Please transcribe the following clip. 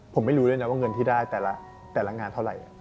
ผมไม่รู้ด้วยนะว่าเงินที่ได้แต่ละงานเท่าไหร่